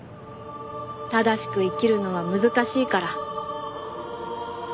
正しく生きるのは難しいから。